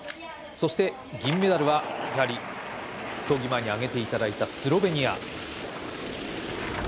そして、銀メダルはやはり競技前に挙げていただいたスロベニア。